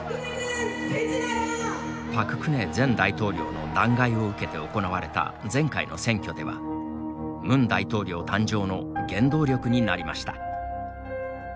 パク・クネ前大統領の弾劾を受けて行われた前回の選挙ではムン大統領誕生の原動力になりました。